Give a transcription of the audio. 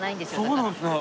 そうなんですね。